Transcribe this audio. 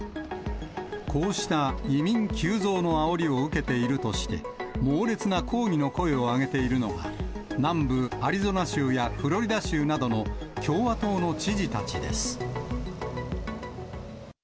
こうした移民急増のあおりを受けているとして、猛烈な抗議の声を上げているのが、南部アリゾナ州やフロリダ州などの共和党の知事たちです。